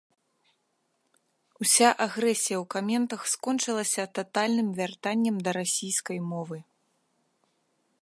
Уся агрэсія ў каментах скончылася татальным вяртаннем да расійскай мовы.